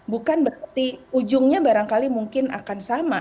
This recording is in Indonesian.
bukan berarti ujungnya barangkali mungkin akan sama